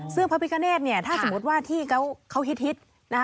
ซึ่งพระพิกาเนธเนี่ยถ้าสมมุติว่าที่เขาฮิตนะคะ